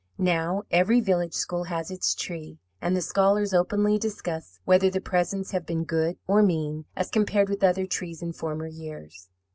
Now, every village school has its tree, and the scholars openly discuss whether the presents have been 'good,' or 'mean,' as compared with other trees in former years.